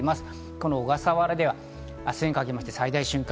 この小笠原では明日にかけまして最大瞬間